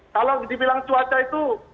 kalau dibilang cuaca itu